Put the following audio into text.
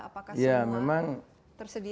apakah semua tersedia